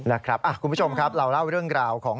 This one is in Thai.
คุณผู้ชมครับเราเล่าเรื่องราวของ